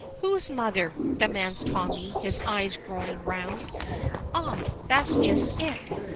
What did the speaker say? "Whose mother?" demands Tommy, his eyes growing round. "Ah, that's just it.